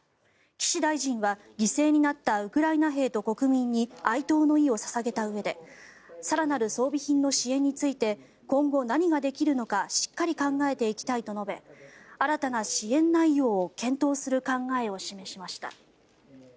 岸大臣は、犠牲になったウクライナ兵と国民に哀悼の意を捧げたうえで更なる装備品の支援について今後何ができるのかしっかり考えていきたいと述べ新たな支援内容を検討する考えを示しました。